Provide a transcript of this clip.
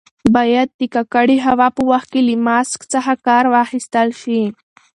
باید د ککړې هوا په وخت کې له ماسک څخه کار واخیستل شي.